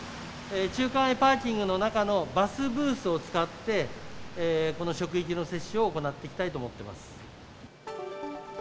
中華街パーキングの中のバスブースを使って、この職域の接種を行っていきたいと思ってます。